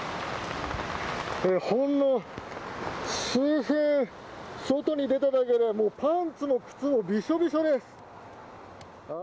ほんの数分、外に出ただけで、もうパンツも靴もびしょびしょです。